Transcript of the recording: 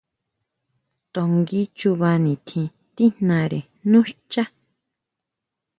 To ngui chuba nitjín tíjnare nú xchá.